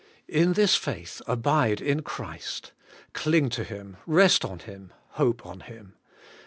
In this faith, abide in Christ! Cling to Him; rest on Him; hope on Him.